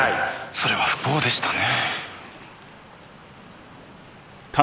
それは不幸でしたね。